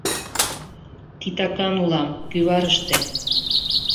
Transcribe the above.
— Титакан улам, кӱварыште.